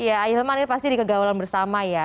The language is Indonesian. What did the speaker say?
iya ahilman ini pasti dikegawalan bersama ya